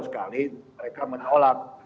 sekali mereka menolak